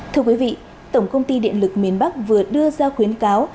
thưa quý vị tổng công ty điện lực miền bắc vừa đưa ra khuyến cáo